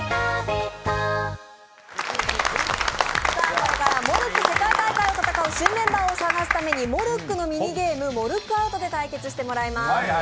これからモルック世界大会を戦う新メンバーを探すためにモルックのみにゲーム、モルックアウトで対決してもらいます。